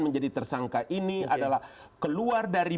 menjadi tersangka ini adalah keluar dari